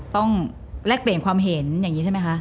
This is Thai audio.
แลกเปลี่ยนความเห็นอย่างนี้ใช่ไหมคะ